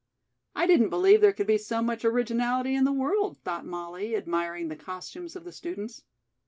"I didn't believe there could be so much originality in the world," thought Molly, admiring the costumes of the students.